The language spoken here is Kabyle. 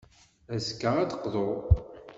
Azekka, ad d-teqḍu.